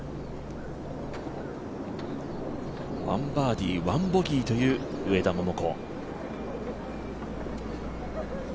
１バーディー、１ボギーという上田桃子。